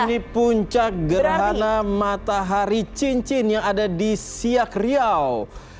ini puncak gerhana matahari cincin yang ada di siak riau